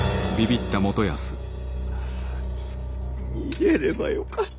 逃げればよかった。